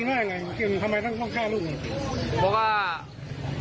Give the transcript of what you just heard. จากนั้นในหมองปุ๊มีพฤติกรรมชาวพม่าค่ะ